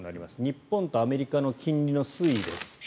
日本とアメリカの金利の推移です。